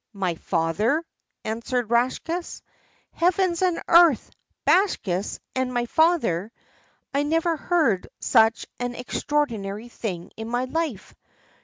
"My father?" answered the Rakshas. "Heavens and earth! Bakshas, and my father! I never heard such an extraordinary thing in my life.